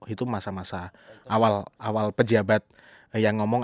itu masa masa awal awal pejabat yang ngomong